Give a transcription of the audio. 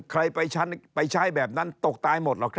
ใครไปใช้แบบนั้นตกตายหมด